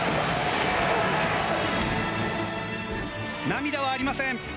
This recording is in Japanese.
涙はありません。